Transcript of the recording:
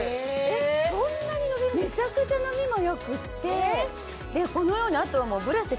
めちゃくちゃのびも良くってこのようにあとはブラシで。